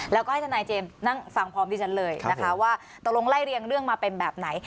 แล้วก็ให้ทนายเจมส์นั่งฟังพร้อมที่ฉันเลยนะคะว่าตกลงไล่เรียงเรื่องมาเป็นแบบไหน